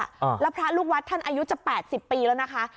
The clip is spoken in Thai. แล้วพระลูกวัดท่านอายุจะแปดสิบปีแล้วนะคะ